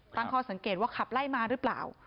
ตั้งข้อสังเกตว่าขับไล่มาหรือเปล่า